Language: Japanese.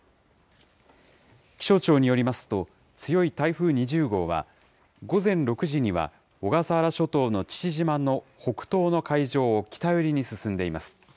気象庁によりますと、強い台風２０号は、午前６時には小笠原諸島の父島の北東の海上を北寄りに進んでいます。